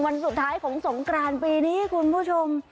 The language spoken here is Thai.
วันสุดท้ายของสงกรานปีนี้คุณผู้ชม